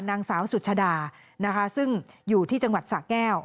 นางสาวสุชดานะคะซึ่งอยู่ที่จังหวัดสะแก้ว